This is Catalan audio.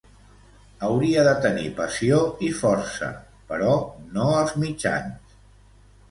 Hauria de tenir passió i força, però no els mitjans.